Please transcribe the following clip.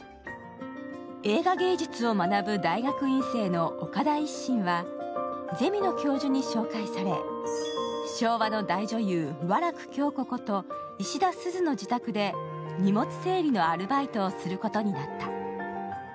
映画芸術を学ぶ大学院生の岡田一心はゼミの教授に紹介され昭和の大女優・和楽京子こと石田鈴の自宅で荷物整理のアルバイトをすることになった。